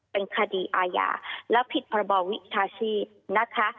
เป็นคดีอาญาและผิดพรบวิชาชีพนะคะ